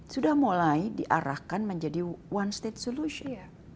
sudah mulai diarahkan menjadi one state solution